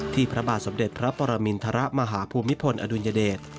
พระบาทสมเด็จพระปรมินทรมาฮภูมิพลอดุลยเดช